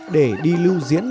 để đi lưu diễn